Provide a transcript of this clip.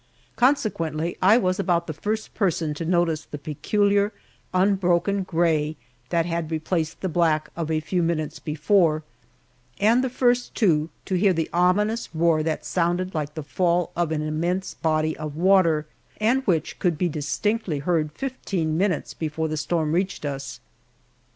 Consequently, I was about the first person to notice the peculiar unbroken gray that had replaced the black of a few minutes before, and the first, too, to hear the ominous roar that sounded like the fall of an immense body of water, and which could be distinctly heard fifteen minutes before the storm reached us.